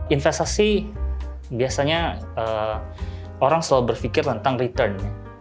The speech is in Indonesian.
investasi biasanya orang selalu berpikir tentang return